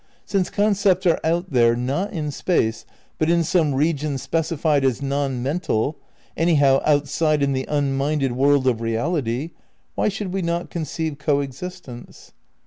Since con cepts are out there, not in space, but in some region specified as non mental, anyhow outside in the unmind ed world of reality, why should we not conceive co ex istence